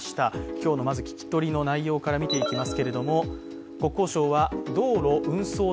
今日のまず聞き取りの内容から見ていきます。